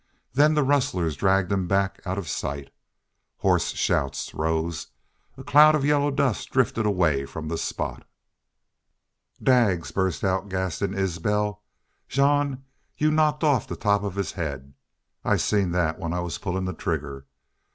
Then the rustlers dragged him back out of sight. Hoarse shouts rose. A cloud of yellow dust drifted away from the spot. "Daggs!" burst out Gaston Isbel. "Jean, you knocked off the top of his haid. I seen that when I was pullin' trigger.